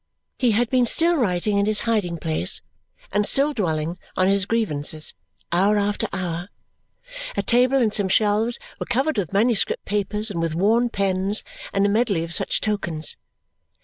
He had been still writing in his hiding place, and still dwelling on his grievances, hour after hour. A table and some shelves were covered with manuscript papers and with worn pens and a medley of such tokens.